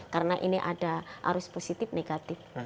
karena ini ada arus positif dan negatif